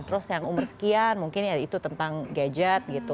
terus yang umur sekian mungkin ya itu tentang gadget gitu